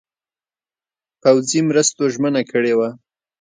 پوځي مرستو ژمنه کړې وه.